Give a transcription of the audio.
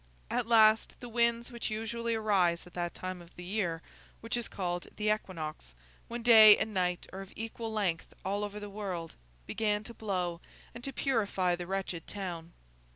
At last, the winds which usually arise at that time of the year which is called the equinox, when day and night are of equal length all over the world, began to blow, and to purify the wretched town.